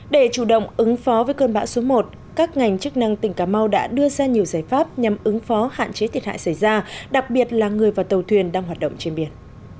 để chủ động ứng phó với cơn bão số một các ngành chức năng tỉnh cà mau đã đưa ra nhiều giải pháp nhằm ứng phó hạn chế thiệt hại xảy ra đặc biệt là người và tàu thuyền đang hoạt động trên biển